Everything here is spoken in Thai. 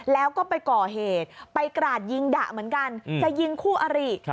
แล้วก็ไปก่อเหตุไปกราดยิงดะเหมือนกันจะยิงคู่อริ